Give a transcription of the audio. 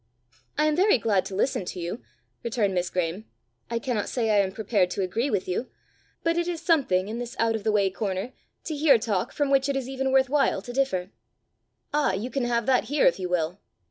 "I am very glad to listen to you," returned Miss Graeme. "I cannot say I am prepared to agree with you. But it is something, in this out of the way corner, to hear talk from which it is even worth while to differ." "Ah, you can have that here if you will!"